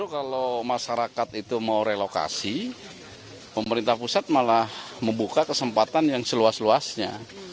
kalau masyarakat itu mau relokasi pemerintah pusat malah membuka kesempatan yang seluas luasnya